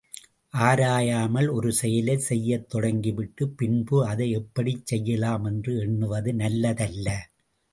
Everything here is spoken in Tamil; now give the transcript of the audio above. ஆராயாமல் ஒரு செயலைச் செய்யத் தொடங்கிவிட்டுப் பின்பு அதை எப்படிச் செய்யலாம் என்று எண்ணுவது நல்லதல்ல.